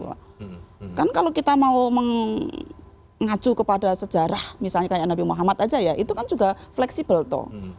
kan kalau kita mau mengacu kepada sejarah misalnya kayak nabi muhammad aja ya itu kan juga fleksibel tuh